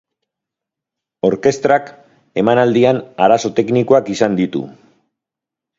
Orkestrak emanaldian arazo teknikoak izan ditu.